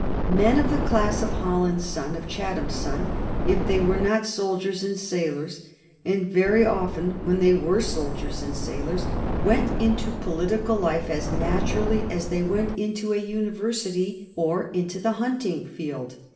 Men of the class of Holland's son, of Chatham's son, if they were not soldiers and sailors, and very often when they were soldiers and sailors, went into political life as naturally as they went into a university or into the hunting field.